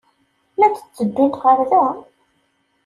La d-tteddunt ɣer da?